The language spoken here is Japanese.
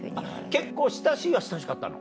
結構親しいは親しかったの？